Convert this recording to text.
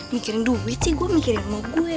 mikirin duit sih gue mikirin mau gue